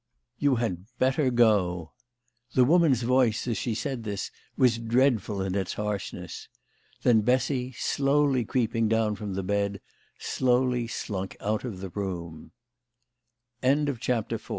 " You had better go." The woman's voice as she said this was dreadful in its harshness. Then Bessy, slowly creeping down from the bed, slowly slunk out o